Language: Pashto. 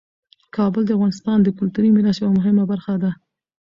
کابل د افغانستان د کلتوري میراث یوه مهمه برخه ده.